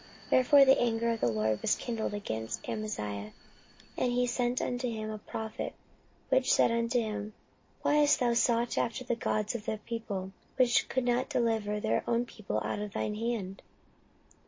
14:025:015 Wherefore the anger of the LORD was kindled against Amaziah, and he sent unto him a prophet, which said unto him, Why hast thou sought after the gods of the people, which could not deliver their own people out of thine hand?